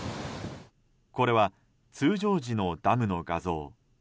これは通常時のダムの画像。